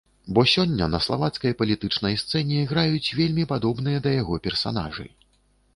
Бо сёння на славацкай палітычнай сцэне іграюць вельмі падобныя да яго персанажы.